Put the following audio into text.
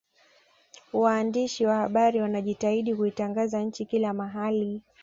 waandishi wa habari wanajitahidi kuitangaza nchi kila mahali